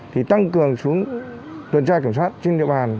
thì tăng cường xuống tuần tra kiểm soát trên địa bàn